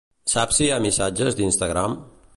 Saps si hi ha missatges d'Instagram?